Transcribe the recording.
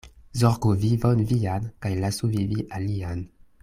Zorgu vivon vian kaj lasu vivi alian.